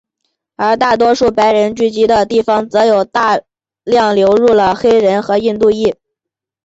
而大多数白人聚居的地方则大量流入了黑人和印度裔。